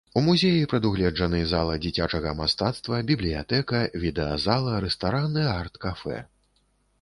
У музеі прадугледжаны зала дзіцячага мастацтва, бібліятэка, відэазала, рэстаран і арт-кафэ.